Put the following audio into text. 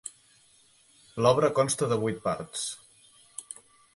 L'obra consta de vuit parts.